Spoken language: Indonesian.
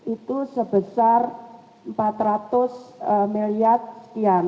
itu sebesar empat ratus miliar sekian